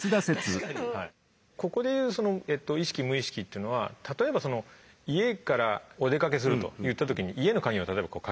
ここで言う意識無意識っていうのは例えば家からお出かけするといった時に家の鍵をかけたりするわけですね。